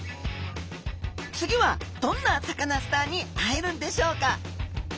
次はどんなサカナスターに会えるんでしょうか？